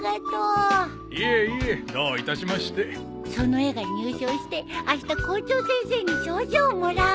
その絵が入賞してあした校長先生に賞状もらうの。